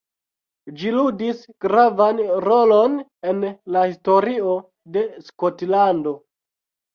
Ĝi ludis gravan rolon en la historio de Skotlando.